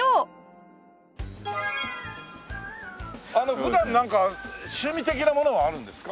普段なんか趣味的なものはあるんですか？